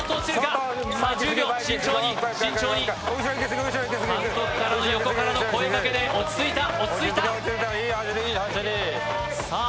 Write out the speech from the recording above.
さあ１０秒慎重に慎重に監督からの横からの声かけで落ち着いた落ち着いたいい走りいい走りさあ